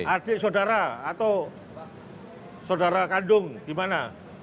adik saudara atau saudara kandung di mana